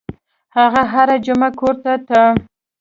هغه هره جمعه کور ته ته.